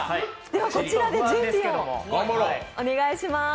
ではこちらで準備をお願いします。